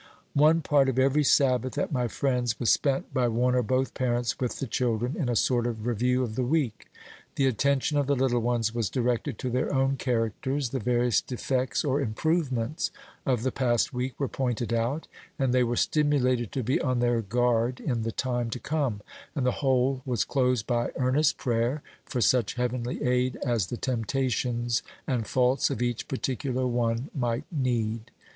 One part of every Sabbath at my friend's was spent by one or both parents with the children, in a sort of review of the week. The attention of the little ones was directed to their own characters, the various defects or improvements of the past week were pointed out, and they were stimulated to be on their guard in the time to come, and the whole was closed by earnest prayer for such heavenly aid as the temptations and faults of each particular one might need.